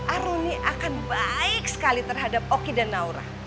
aruni akan baik sekali terhadap oki dan naura